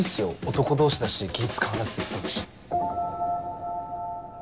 男同士だし気使わなくて済むし。